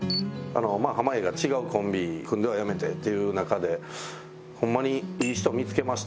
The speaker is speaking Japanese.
濱家が違うコンビ組んではやめてっていう中でホンマに「いい人見つけました。